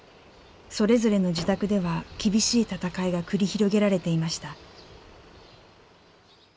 それぞれの自宅では厳しい闘いが繰り広げられていました。